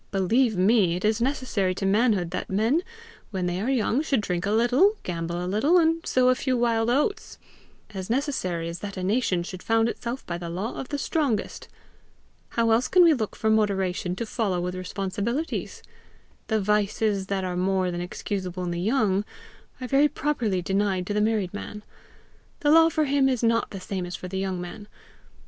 Believe me, it is necessary to manhood that men when they are young should drink a little, gamble a little, and sow a few wild oats as necessary as that a nation should found itself by the law of the strongest. How else can we look for the moderation to follow with responsibilities? The vices that are more than excusable in the young, are very properly denied to the married man; the law for him is not the same as for the young man.